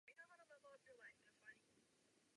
Byla zmíněna otázka ratingových agentur a zátěžových testů.